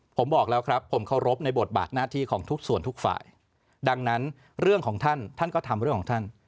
ผมบอกแล้วครับผมเคารพในบทบาทหน้าที่ของทุกส่วนทุกฝ่ายดังนั้นเรื่องของท่านท่านก็ทำเรื่องของท่าน